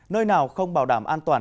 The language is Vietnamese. nơi nào không bảo đảm an toàn